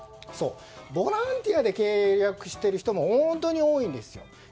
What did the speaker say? ボランティアで契約している人も本当に多いんです。